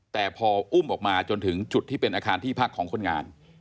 แต่พออุ้มออกมาจนถึงจุดที่เป็นอาคารที่พักของคนงาน